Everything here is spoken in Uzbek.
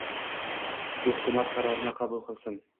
Shu hukumat qarorini qabul qilsin